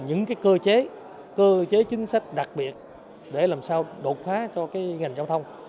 những cơ chế cơ chế chính sách đặc biệt để làm sao đột phá cho ngành giao thông